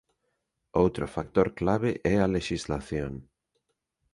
Outro factor clave é a lexislación.